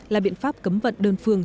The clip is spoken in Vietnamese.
là biện pháp cấm vận đơn phương